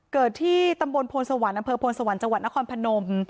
เกิดที่ตำบลพลสวรรค์อำเภอพลสวรรค์จังหวัดนครพนม